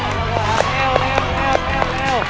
เร็วเร็วเร็วเร็ว